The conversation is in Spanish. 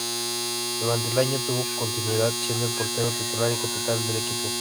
Durante el año tuvo continuidad, siendo el portero titular y capitán del equipo.